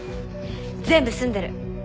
全部済んでる。